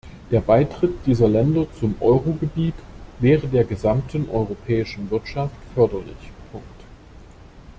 Der Beitritt dieser Länder zum Eurogebiet wäre der gesamten europäischen Wirtschaft förderlich.